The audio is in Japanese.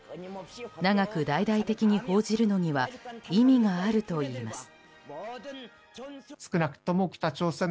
長く大々的に報じるのには意味があるといいます。